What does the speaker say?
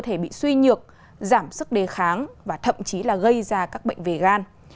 thể bị suy nhược giảm sức đề kháng và thậm chí là gây ra các bệnh về gan